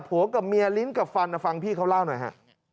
กับเมียลิ้นกับฟันฟังพี่เขาเล่าหน่อยฮะ